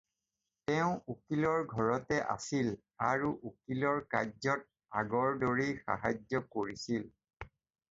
তেওঁ উকীলৰ ঘৰতে আছিল আৰু উকীলৰ কাৰ্য্যত আগৰ দৰেই সাহায্য কৰিছিল।